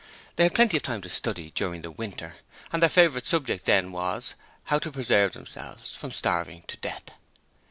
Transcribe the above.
They had plenty of time to study during the winter: and their favourite subject then was, how to preserve themselves from starving to death.